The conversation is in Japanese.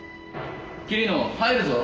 桐野入るぞ。